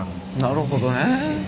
なるほどね。